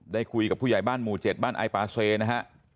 ได้คุยกับผู้ใหญ่บ้านหมู่๗บ้านไอปาเซนะฮะ